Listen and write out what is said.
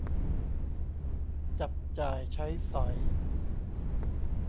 จับจ่ายใช้สอย